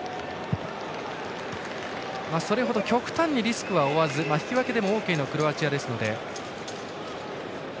それほど極端にリスクを負わず引き分けでもオーケーなクロアチアです。